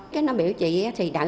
cái nó biểu chị thì đáng